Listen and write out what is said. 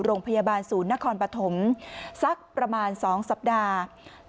โรงพยาบาลศูนย์นครปฐมสักประมาณ๒สัปดาห์